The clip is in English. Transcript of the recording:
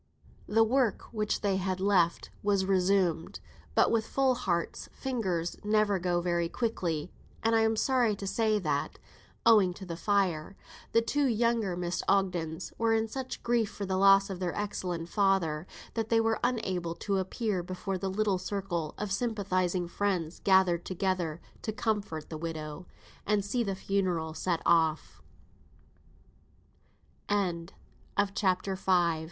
The work which they had left was resumed: but with full hearts, fingers never go very quickly; and I am sorry to say, that owing to the fire, the two younger Miss Ogdens were in such grief for the loss of their excellent father, that they were unable to appear before the little circle of sympathising friends gathered together to comfort the widow, and see the funeral set off. CHAPTER VI.